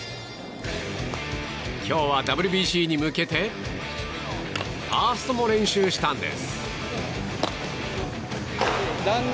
今日はＷＢＣに向けてファーストも練習したんです。